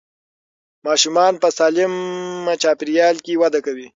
ماشومان په سالمه چاپېریال کې وده کوي.